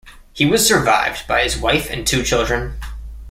He was survived by his wife and two children.